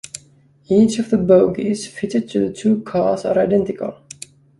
Each of the bogies fitted to the two cars are identical.